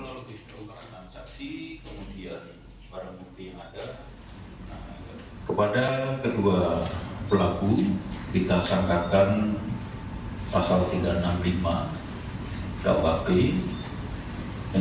kalau diserukan transaksi kemudian para bukti yang ada kepada kedua pelaku kita sangkakan